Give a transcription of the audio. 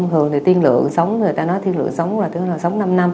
thường thì tiên lượng sống người ta nói tiên lượng sống là tiên lượng sống năm năm